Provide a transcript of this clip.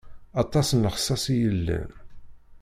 Aṭas n lexṣaṣ i yellan.